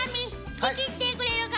仕切ってくれるか？